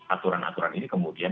aturan aturan ini kemudian